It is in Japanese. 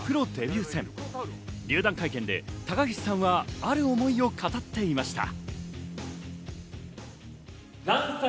入団会見で高岸さんはある思いを語っていました。